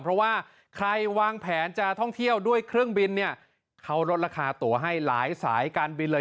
เพราะว่าใครวางแผนจะท่องเที่ยวด้วยเครื่องบินเนี่ยเขาลดราคาตัวให้หลายสายการบินเลย